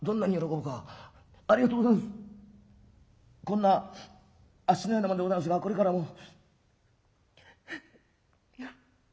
こんなあっしのような者でございますがこれからも」。